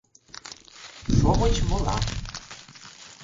Шовыч вола.